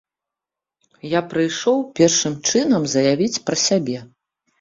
Я прыйшоў першым чынам заявіць пра сябе.